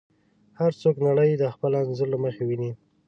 هر څوک نړۍ د خپل انځور له مخې ویني.